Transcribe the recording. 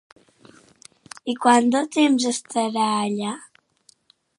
I quant de temps estarà allà?